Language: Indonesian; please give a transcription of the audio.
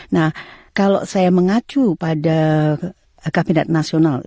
nah kalau saya mengacu pada kabinet nasional